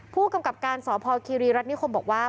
ผู้กำกับการสพคีรีรัฐนิคมบอกว่า